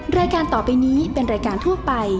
รายการต่อไปนี้เป็นรายการทั่วไป